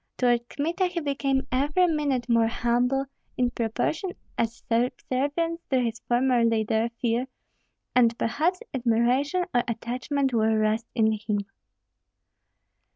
Toward Kmita he became every minute more humble, in proportion as subservience to his former leader, fear, and perhaps admiration or attachment were roused in him.